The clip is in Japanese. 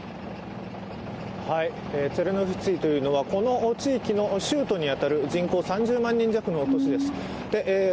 チェルノフツィというのは、この地域の州都に当たる人口３０万弱の街です。